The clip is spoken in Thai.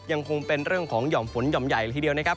ยังคงเป็นเรื่องของหย่อมฝนหย่อมใหญ่เลยทีเดียวนะครับ